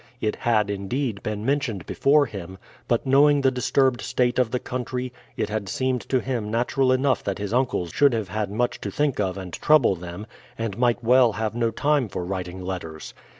It had, indeed, been mentioned before him; but, knowing the disturbed state of the country, it had seemed to him natural enough that his uncles should have had much to think of and trouble them, and might well have no time for writing letters.